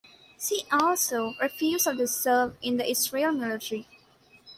See also: Refusal to serve in the Israeli military.